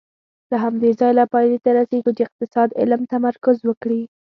له همدې ځایه پایلې ته رسېږو چې اقتصاد علم تمرکز وکړي.